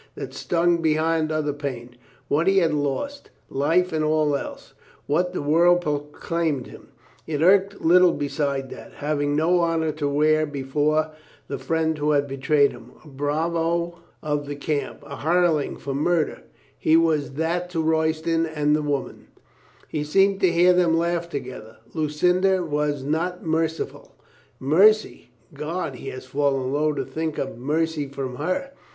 That stung beyond other pain. What he had lost — life and all else; what the world proclaimed him; it irked little beside that, having no honor to wear before the friend who had betrayed him. A bravo 390 COLONEL GREATHEART of the camp, a hireling for murder; he was that to Royston and the woman ... the woman. He seemed to hear them laugh together. Lucinda was not merciful . Mercy! God, he was fallen low to think of mercy from her!